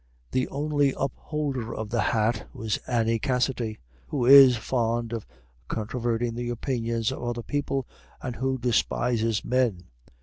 The only upholder of the hat was Annie Cassidy, who is fond of controverting the opinions of other people, and who despises men.